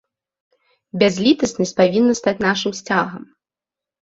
Бязлітаснасць павінна стаць нашым сцягам.